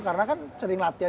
karena kan sering latihan